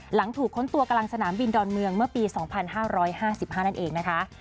หลังถูกค้นตัวกำลังสนามบินดอนเมืองเมื่อปี๒๕๕๕นั่นเองนะคะ